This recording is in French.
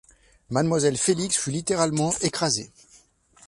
Mlle Félix fut littéralement écrasée.